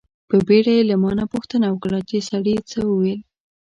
په بیړه یې له ما نه پوښتنه وکړه چې سړي څه و ویل.